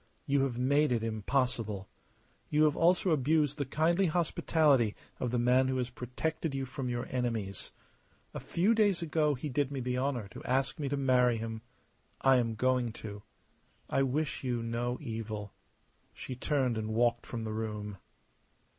You have made it impossible. You have also abused the kindly hospitality of the man who has protected you from your enemies. A few days ago he did me the honour to ask me to marry him. I am going to. I wish you no evil." She turned and walked from the room.